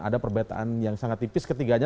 ada perbedaan yang sangat tipis ketiganya